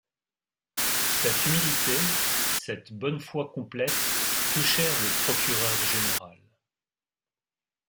Cette humilité, cette bonne foi complète touchèrent le procureur général.